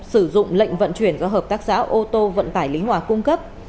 sử dụng lệnh vận chuyển do hợp tác xã ô tô vận tải lý hòa cung cấp